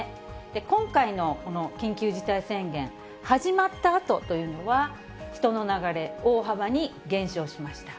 今回の緊急事態宣言、始まったあとというのは、人の流れ、大幅に減少しました。